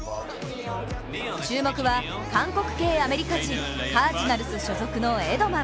注目は韓国系アメリカ人カージナルス所属のエドマン。